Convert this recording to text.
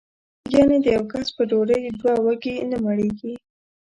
یعنې د یوه کس په ډوډۍ دوه وږي نه مړېږي.